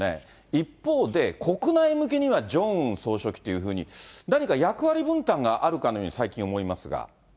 一方で、国内向けにはジョンウン総書記っていうふうに、何か役割分担があるかのように、最近思いますが。